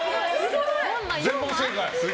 全問正解。